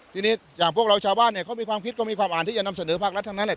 ทีนี้อย่างพวกเราชาวบ้านเนี่ยเขามีความคิดเขามีความอ่านที่จะนำเสนอภาครัฐทั้งนั้นแหละ